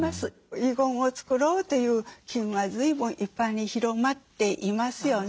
遺言を作ろうという機運はずいぶん一般に広まっていますよね。